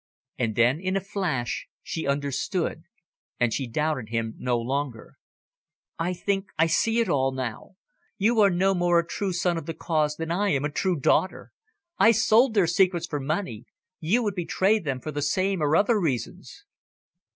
And then, in a flash, she understood, and she doubted him no longer. "I think I see it all now. You are no more a true son of the Cause than I am a true daughter. I sold their secrets for money. You would betray them for the same or other reasons."